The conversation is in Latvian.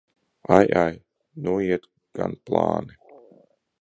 Ai, ai! Nu iet gan plāni!